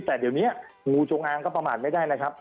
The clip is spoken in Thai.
แต่เดี๋ยวนี้งูจงอางก็ประมาทไม่ได้นะครับ